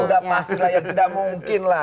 sudah pasti lah yang tidak mungkin lah